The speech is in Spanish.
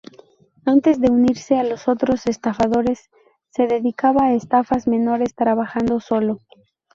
Antes de unirse a los otros estafadores, se dedicaba a estafas menores trabajando solo.